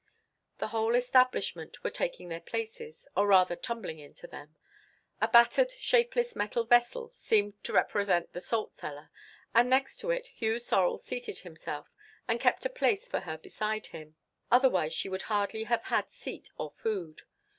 The whole establishment were taking their places—or rather tumbling into them. A battered, shapeless metal vessel seemed to represent the salt cellar, and next to it Hugh Sorel seated himself, and kept a place for her beside him. Otherwise she would hardly have had seat or food.